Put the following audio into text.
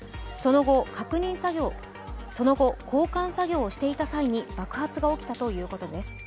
その後、交換作業をしていた際に爆発が起きたということです。